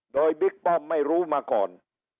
โดยบิ๊กป้อมไม่รู้มาก่อน